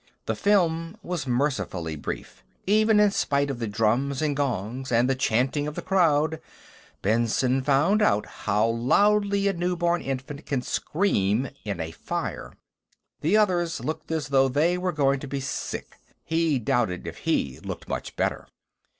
The film was mercifully brief. Even in spite of the drums and gongs, and the chanting of the crowd, Benson found out how loudly a newborn infant can scream in a fire. The others looked as though they were going to be sick; he doubted if he looked much better.